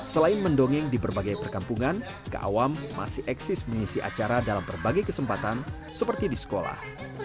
selain mendongeng di berbagai perkampungan keawam masih eksis mengisi acara dalam berbagai kesempatan seperti di sekolah